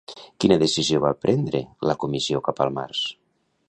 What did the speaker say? Quina decisió va prendre la Comissió cap al març?